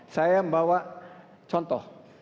saya membawa contoh